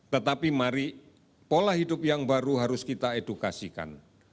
tetapi mari pola hidup yang baru harus kita edukasikan